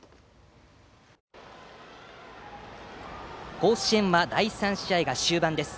甲子園は第３試合が終盤です。